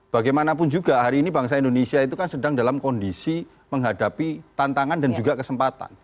bagaimanapun juga hari ini bangsa indonesia itu kan sedang dalam kondisi menghadapi tantangan dan juga kesempatan